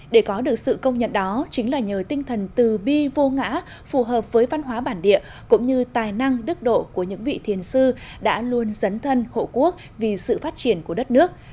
để có được sự công nhận đó chính là nhờ tinh thần từ bi vô ngã phù hợp với văn hóa bản địa cũng như tài năng đức độ của những vị thiền sư đã luôn dấn thân hộ quốc vì sự phát triển của đất nước